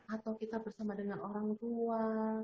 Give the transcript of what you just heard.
atau kita bersama dengan orang tua